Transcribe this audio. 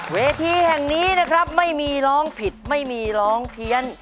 เวทีแห่งนี้นะครับไม่มีร้องผิดไม่มีร้องเพี้ยน